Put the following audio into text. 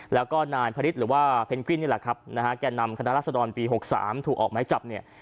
และก็นายพระฤทธิ์หรือว่าเพนกวินแก่นำคณะรัศดรปี๖๓ถูกออกไม้จับ